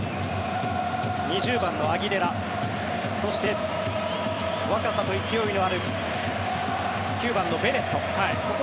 ２０番のアギレラそして若さと勢いのある９番のベネット。